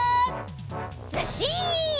ずっしん！